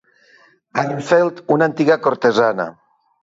Armfeldt, una antiga cortesana.